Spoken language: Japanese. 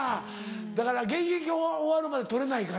だから現役終わるまで取れないからな。